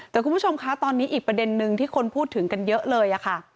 แต่คุณผู้ชมคะตอนนี้อีกประเด็นนึงที่คนพูดถึงกันเยอะเลยค่ะ